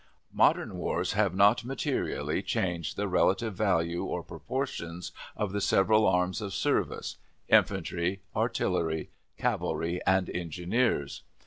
Modern wars have not materially changed the relative values or proportions of the several arms of service: infantry, artillery, cavalry, and engineers.